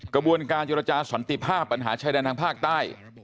กระบวนการโยรจาสวรรค์๑๕ปัญหาชายแดนทางภาคใต้